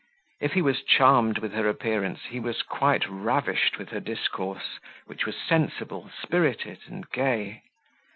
If he was charmed with her appearance, he was quite ravished with her discourse, which was sensible, spirited, and gay.